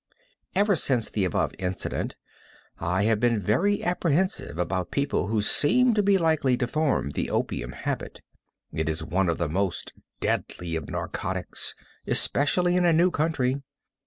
Ever since the above incident, I have been very apprehensive about people who seem to be likely to form the opium habit. It is one of the most deadly of narcotics, especially in a new country.